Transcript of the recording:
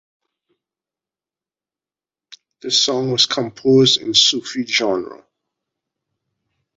The song was composed in Sufi genre.